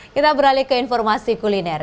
kita beralih ke informasi kuliner